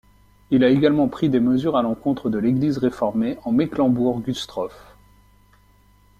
Il a également pris des mesures à l'encontre de l'Église Réformée en Mecklembourg-Güstrow.